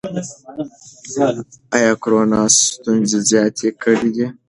ایا کورونا ستونزې زیاتې کړي دي؟